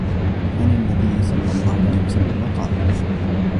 عَنْ النَّبِيِّ صَلَّى اللَّهُ عَلَيْهِ وَسَلَّمَ أَنَّهُ قَالَ